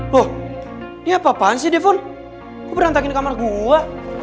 loh ini apaan sih devon kok berantakin di kamar gua